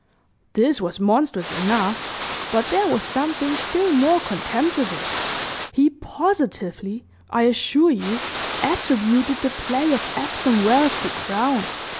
This was monstrous enough, but there was something still more contemptible. He positively, I assure you, attributed the play of "Epsom Wells" to Crowne!